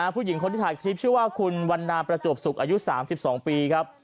ผู้หญิงคนที่ถ่ายคลิปชื่อว่าคุณวันนาประจวบสุขอายุ๓๒ปีครับ